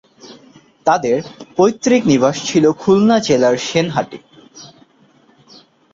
তাদের পৈতৃক নিবাস ছিল খুলনা জেলার সেনহাটী।